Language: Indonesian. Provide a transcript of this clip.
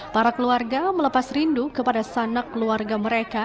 para keluarga melepas rindu kepada sanak keluarga mereka